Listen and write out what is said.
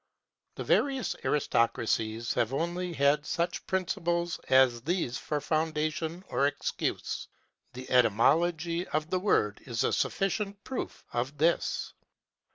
The various aristocracies have only had such principles as these for foundation or excuse. The etymology of the word is a sufficient proof of this.